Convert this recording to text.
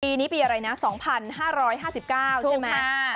ปีนี้ปีอะไรนะ๒๕๕๙ใช่ไหม